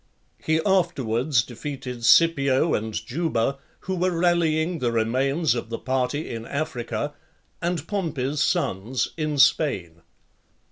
He afterwards defeated Scipio and Juba, who were rallying the remains of the party in Africa, and Pompey's sons in Spain.